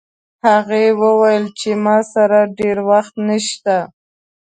هغې وویل چې ما سره ډېر وخت نشته